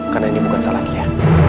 karena ini bukan salah dia